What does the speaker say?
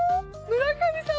村上さん